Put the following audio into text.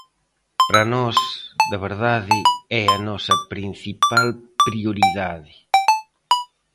Para nós, de verdade, é a nosa principal prioridade.